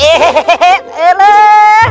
yuk ya man yuk